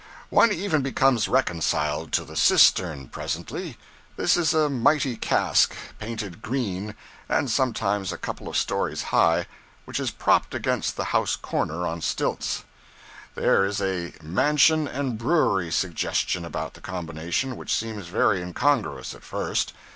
One even becomes reconciled to the cistern presently; this is a mighty cask, painted green, and sometimes a couple of stories high, which is propped against the house corner on stilts. There is a mansion and brewery suggestion about the combination which seems very incongruous at first.